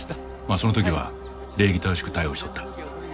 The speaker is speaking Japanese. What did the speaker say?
その時は礼儀正しく対応しとった。